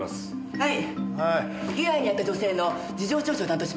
はい。